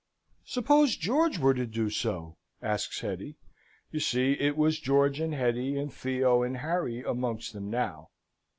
"Suppose George were to do so?" asks Hetty. You see, it was George and Hetty, and Theo and Harry, amongst them now.